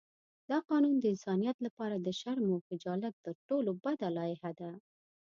دا قانون د انسانیت لپاره د شرم او خجالت تر ټولو بده لایحه ده.